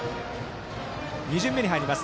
２巡目に入ります。